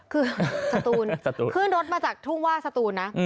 คือสตูนขึ้นรถมาจากทุ่งว่าสตูนนะ